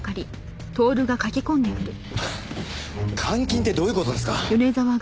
監禁ってどういう事ですか！？